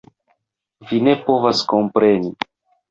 Vi ne povas kompreni.